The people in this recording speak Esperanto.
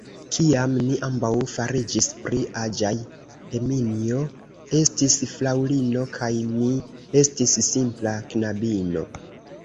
Kiam ni ambaŭ fariĝis pli aĝaj, Eminjo estis fraŭlino kaj mi estis simpla knabino.